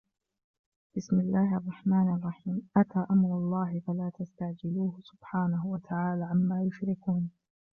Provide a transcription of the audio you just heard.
بِسْمِ اللَّهِ الرَّحْمَنِ الرَّحِيمِ أَتَى أَمْرُ اللَّهِ فَلَا تَسْتَعْجِلُوهُ سُبْحَانَهُ وَتَعَالَى عَمَّا يُشْرِكُونَ